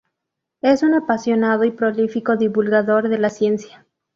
Es un apasionado y prolífico divulgador de la ciencia.